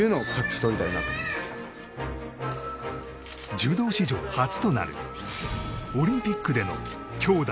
柔道史上初となるオリンピックでの兄妹